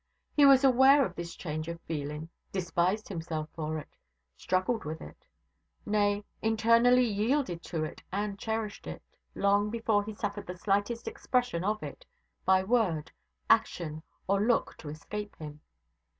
He was aware of this change of feeling despised himself for it struggled with it; nay, internally yielded to it and cherished it, long before he suffered the slightest expression of it, by word, action, or look to escape him.